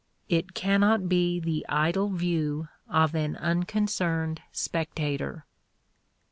It cannot be the idle view of an unconcerned spectator.